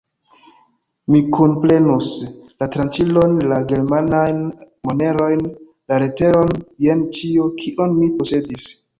Mi kunprenus: la tranĉilon, la germanajn monerojn, la leteron, jen ĉio, kion mi posedis.